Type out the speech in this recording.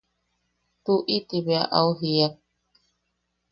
–Tuʼi– ti bea au jiak.